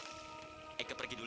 saya pergi dulu